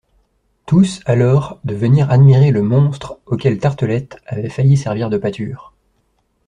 Tous, alors, de venir admirer le « monstre », auquel Tartelett avait failli servir de pâture!